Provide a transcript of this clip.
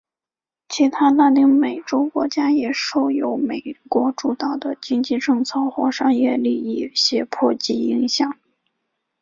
其他拉丁美洲国家也受由美国主导的经济政策或商业利益胁迫及影响。